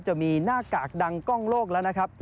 จะมีหน้ากากดังกล้องโลกแล้วนะครับ